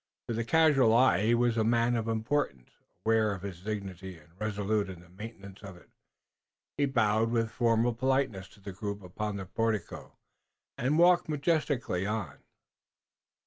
To the casual eye he was a man of importance, aware of his dignity, and resolute in the maintenance of it. He bowed with formal politeness to the group upon the portico, and walked majestically on.